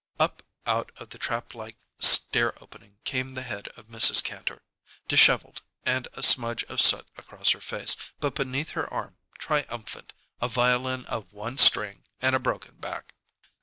Up out of the traplike stair opening came the head of Mrs. Kantor, disheveled and a smudge of soot across her face, but beneath her arm, triumphant, a violin of one string and a broken back.